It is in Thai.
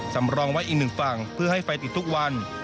สำรองไว้อีกหนึ่งฝั่งเพื่อให้ไฟติดทุกวัน